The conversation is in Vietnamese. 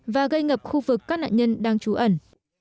và gây ngập khu vực các nạn nhân đang trú ẩn